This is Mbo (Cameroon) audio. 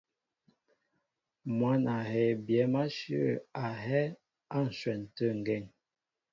Mwǎn a hɛɛ byɛ̌m áshyə̂ a hɛ́ á ǹshwɛn tê ŋgeŋ.